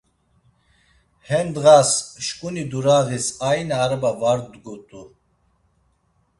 He ndğas, şkuni durağis aina araba var dgut̆u.